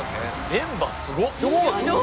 メンバーすご！